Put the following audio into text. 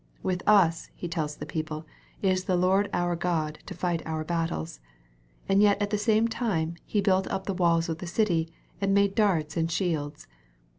" With us," he tells the people, " is the Lord our God, to fight our battles." And yet, at the same time, he built up the walls of the city, and made darts and shields.